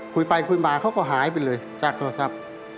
คุยไปคุยมาเขาก็หายไปเลยจากโทรศัพท์